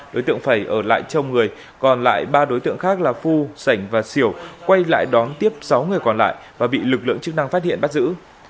đối tượng phải ở lại trong người còn lại ba đối tượng khác là phu sảnh và xỉu quay lại đón tiếp sáu người còn lại và bị lực lượng chức năng phát hiện bắt giữ